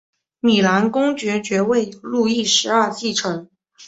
米兰公爵爵位由路易十二继承。